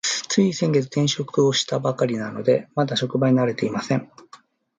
つい先月、転職をしたばかりなので、まだ職場に慣れていません。